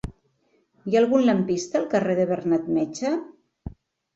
Hi ha algun lampista al carrer de Bernat Metge?